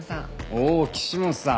おお岸本さん。